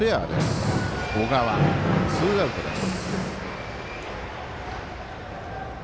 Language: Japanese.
ツーアウトです。